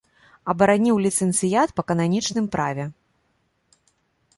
Абараніў ліцэнцыят па кананічным праве.